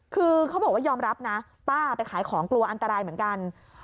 คือเขาบอกว่ายอมรับนะป้าไปขายของกลัวอันตรายเหมือนกัน